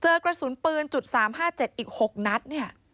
กระสุนปืน๓๕๗อีก๖นัดเนี่ย